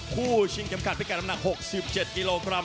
คู่ชิงคลิปคันเป็นแก่น้ำหนัก๖๗กิโลกรัม